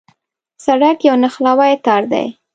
سړک یو نښلوی تار دی.